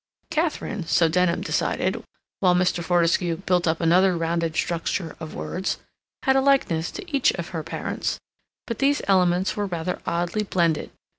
Katharine, so Denham decided, while Mr. Fortescue built up another rounded structure of words, had a likeness to each of her parents, but these elements were rather oddly blended.